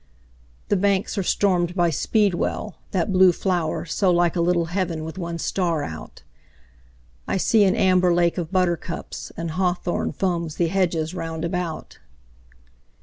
The banks are stormed by Speedwell, that blue flower So like a little heaven with one star out; I see an amber lake of buttercups, And Hawthorn foams the hedges round about.